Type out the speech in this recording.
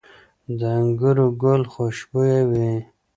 د انګورو ګل خوشبويه وي؟